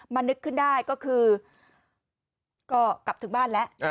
นึกขึ้นได้ก็คือก็กลับถึงบ้านแล้ว